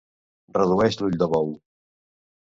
Redueix l'ull de bou.